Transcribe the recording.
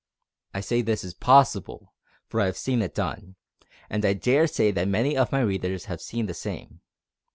I say this is possible, for I have seen it done, and I dare say many of my readers have seen the same.